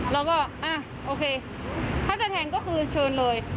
เราก็โอเคถ้าจะแทงก็คือเชิญเลย